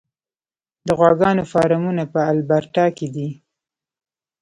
د غواګانو فارمونه په البرټا کې دي.